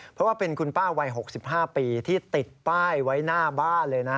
เพราะว่าเป็นคุณป้าวัย๖๕ปีที่ติดป้ายไว้หน้าบ้านเลยนะ